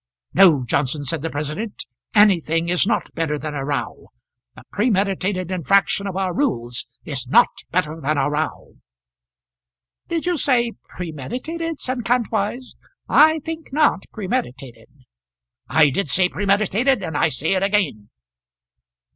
"No, Johnson," said the president. "Anything is not better than a row. A premeditated infraction of our rules is not better than a row." "Did you say premeditated?" said Kantwise. "I think not premeditated." "I did say premeditated, and I say it again."